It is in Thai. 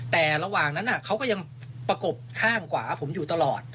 แต่ระหว่างนั้นเขาก็ยังประกบข้างขวาผมอยู่ตลอด